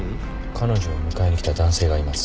彼女を迎えに来た男性がいます。